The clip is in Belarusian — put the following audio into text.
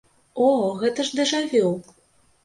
О, гэта ж дэжа-вю!